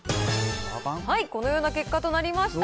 このような結果となりました。